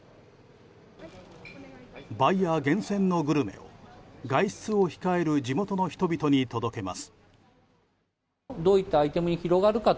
バイヤー厳選のグルメを外出を控える地元の人々に届けます。